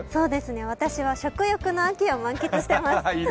私は食欲の秋を満喫しています。